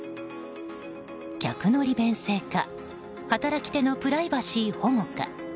客の利便性か働き手のプライバシー保護か。